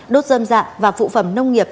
đốt dơm dạ và phụ phẩm nông nghiệp